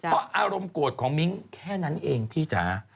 เพราะอารมณ์โกรธของมิ้งแค่นั้นเองพี่จ๋า